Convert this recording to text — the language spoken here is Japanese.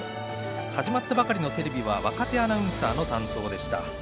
始まったばかりのテレビは若手アナウンサーの担当でした。